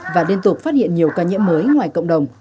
và liên tục phát hiện nhiều ca nhiễm mới ngoài cộng đồng